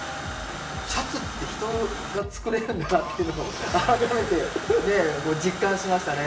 シャツって人が作れるんだなっていうのを改めて実感しましたね。